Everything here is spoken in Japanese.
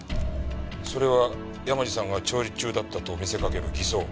それは山路さんが調理中だったと見せかける偽装。